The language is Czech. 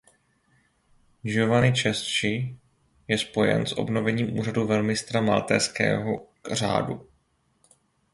Giovanni Ceschi je spojen s obnovením úřadu velmistra Maltézského řádu.